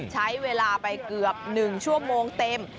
ใช้เวลาไปเกือบ๑ชั่วโมงเต็ม